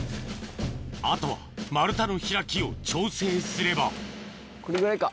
あとは丸太の開きを調整すればこれぐらいか。